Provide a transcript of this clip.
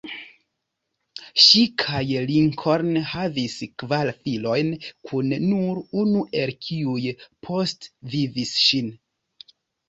Ŝi kaj Lincoln havis kvar filojn kune, nur unu el kiuj postvivis ŝin.